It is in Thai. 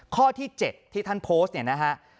ข้อที่๗ที่ท่านโพสต์